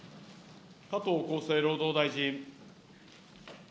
加藤厚生労働大臣。